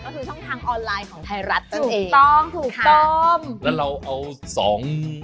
ก็คือช่องทางออนไลน์ของไทยรัฐนั่นเองถูกต้องถูกต้องแล้วเราเอาสอง